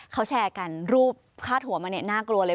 เขาแชร์กันรูปคาดหัวมาเนี่ยน่ากลัวเลย